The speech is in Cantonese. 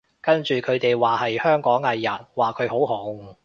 跟住佢哋話係香港藝人，話佢好紅